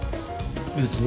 別に。